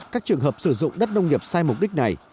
các trường hợp sử dụng đất nông nghiệp sai mục đích này